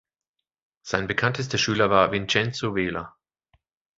Sein bekanntester Schüler war Vincenzo Vela.